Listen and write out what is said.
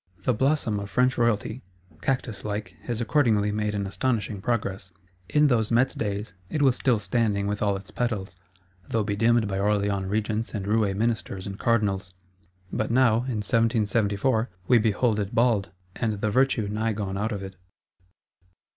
The Blossom of French Royalty, cactus like, has accordingly made an astonishing progress. In those Metz days, it was still standing with all its petals, though bedimmed by Orleans Regents and Roué Ministers and Cardinals; but now, in 1774, we behold it bald, and the virtue nigh gone out of it.